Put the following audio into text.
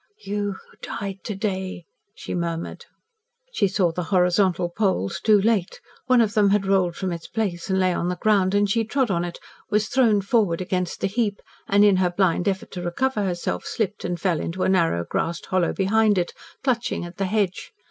"YOU, WHO DIED TO DAY," she murmured. She saw the horizontal poles too late. One of them had rolled from its place and lay on the ground, and she trod on it, was thrown forward against the heap, and, in her blind effort to recover herself, slipped and fell into a narrow, grassed hollow behind it, clutching at the hedge.